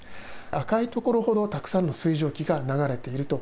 赤い所ほどたくさんの水蒸気が流れていると。